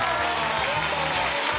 ありがとうございます。